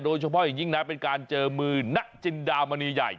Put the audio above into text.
โดยเฉพาะจริงนะเป็นการเจอมือกินค์ราทมนิยไย